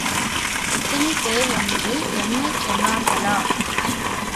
எத்தனை பேர் என்று எண்ணச் சொன்னார்களா?